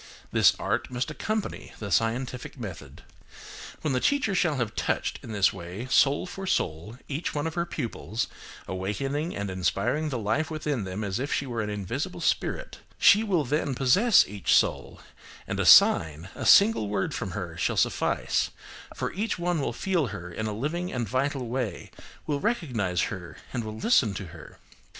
This art must accompany the scientific method. When the teacher shall have touched, in this way, soul for soul, each one of her pupils, awakening and inspiring the life within them as if she were an invisible spirit, she will then possess each soul, and a sign, a single word from her shall suffice; for each one will feel her in a living and vital way, will recognise her and will listen to her.